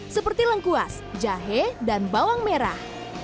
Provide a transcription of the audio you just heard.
seperti lengkuas jahe dan bawang merah